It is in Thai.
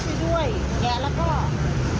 ไม่รู้อยู่ไหน